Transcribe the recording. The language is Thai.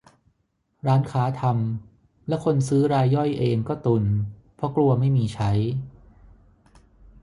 ร้านค้าทำ และคนซื้อรายย่อยเองก็ตุนเพราะกลัวไม่มีใช้